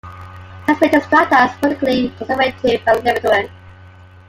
It has been described as politically conservative and libertarian.